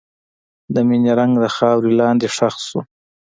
د مینې رنګ د خاورې لاندې ښخ شو.